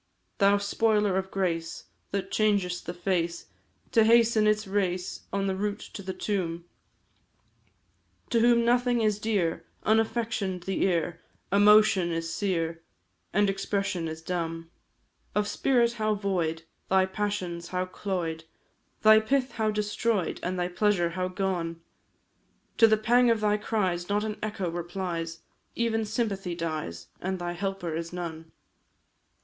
Thou spoiler of grace, that changest the face To hasten its race on the route to the tomb, To whom nothing is dear, unaffection'd the ear, Emotion is sere, and expression is dumb; Of spirit how void, thy passions how cloy'd, Thy pith how destroy'd, and thy pleasure how gone! To the pang of thy cries not an echo replies, Even sympathy dies and thy helper is none.